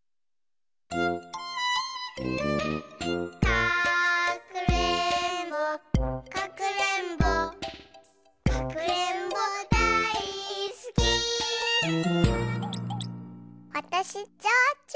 「かくれんぼかくれんぼかくれんぼだいすき」わたしちょうちょ。